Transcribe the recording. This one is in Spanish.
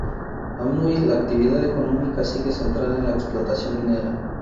Aún hoy, la actividad económica sigue centrada en la explotación minera.